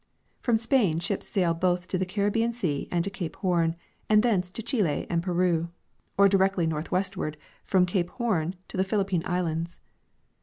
From Spain ships sailed both to the Caribbean sea and to cape Horn and thence to Chile and Peru, or directly northwestward from cape Horn to the Philippine islands.